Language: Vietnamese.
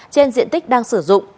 trên diện tích đang sử dụng